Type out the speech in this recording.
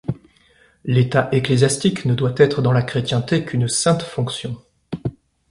L’État ecclésiastique ne doit être dans la chrétienté qu’une sainte fonction.